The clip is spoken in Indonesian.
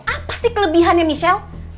apa sih kelebihannya michelle